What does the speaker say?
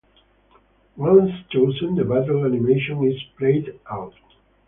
Once chosen, the battle animation is played out.